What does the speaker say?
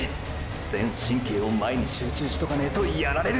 全神経を前に集中しとかねェとやられる！！